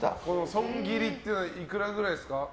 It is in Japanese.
損切りっていうのはいくらぐらいですか？